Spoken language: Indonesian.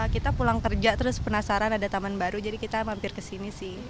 kita pulang kerja terus penasaran ada taman baru jadi kita mampir ke sini sih